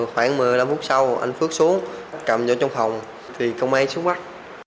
khoảng một mươi năm phút sau anh phước xuống cầm vào trong phòng thì công an xuống bắt